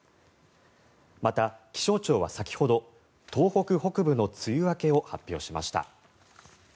また気象庁は先ほど東北北部の梅雨明けを発表しました。